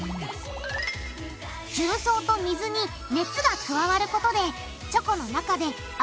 重曹と水に熱が加わることでチョコの中であ